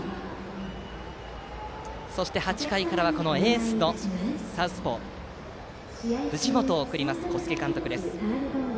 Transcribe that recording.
そして８回からはエースのサウスポー藤本を送ります、小菅監督です。